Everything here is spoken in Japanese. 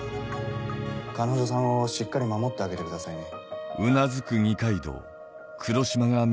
彼女さんをしっかり守ってあげてくださいね。